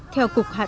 theo cục khả năng